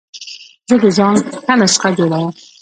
زه د ځان ښه نسخه جوړوم.